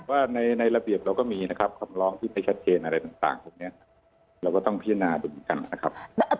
ว่าในระเบียบเราก็มีคำล้องที่ไม่ชัดเจนอะไรต่างแล้วก็ต้องพิจารณาดูอย่างนี้